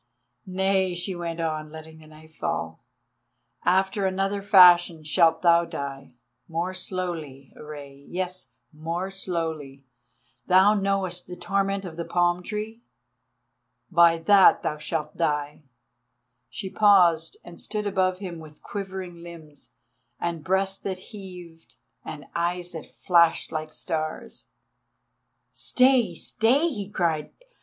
"Nay," she went on, letting the knife fall; "after another fashion shalt thou die—more slowly, Rei, yes, more slowly. Thou knowest the torment of the palm tree? By that thou shalt die!" She paused, and stood above him with quivering limbs, and breast that heaved, and eyes that flashed like stars. "Stay! stay!" he cried.